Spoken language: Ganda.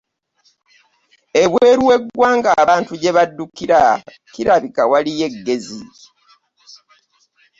Ebweru w'eggwanga abantu gye baddukira kirabika waliyo eggezi.